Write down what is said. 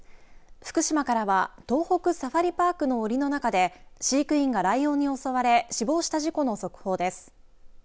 福島からは東北サファリパークのおりの中で飼育員がライオンに襲われ死亡した事故の続報です。